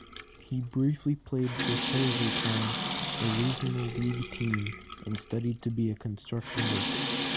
He briefly played for Chesley Town, a regional league team, and studied to be a construction worker.